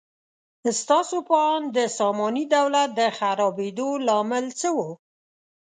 ستاسو په اند د ساماني دولت د خرابېدو لامل څه و؟